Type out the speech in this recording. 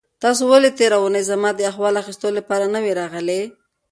تاسو ولې تېره اونۍ زما د احوال اخیستلو لپاره نه وئ راغلي؟